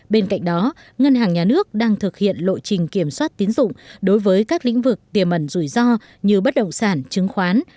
bên cạnh đó ngân hàng nhà nước đang thực hiện lộ trình kiểm soát tín dụng đối với các lĩnh vực tiềm ẩn rủi ro như bất động sản chứng khoán